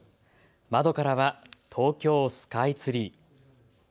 窓からは東京スカイツリー。